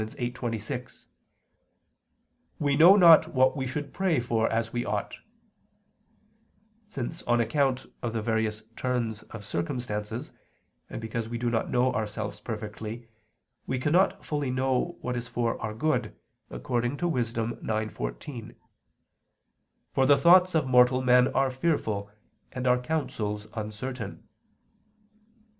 8:26): "We know not what we should pray for as we ought"; since on account of the various turns of circumstances, and because we do not know ourselves perfectly, we cannot fully know what is for our good, according to Wis. 9:14: "For the thoughts of mortal men are fearful and our counsels uncertain."